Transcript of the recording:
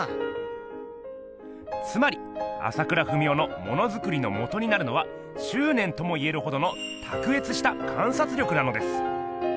つまり朝倉文夫のものづくりのもとになるのはしゅうねんとも言えるほどのたくえつした観察力なのです。